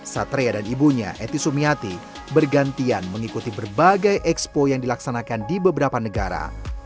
satria dan ibunya eti sumiati bergantian mengikuti berbagai ekspo yang dilaksanakan di beberapa negara